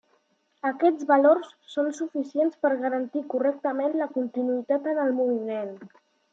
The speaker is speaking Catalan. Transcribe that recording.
Aquests valors són suficients per garantir correctament la continuïtat en el moviment.